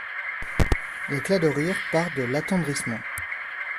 L’éclat de rire part de l’attendrissement.